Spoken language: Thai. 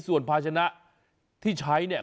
ส่วนภาชนะที่ใช้เนี่ย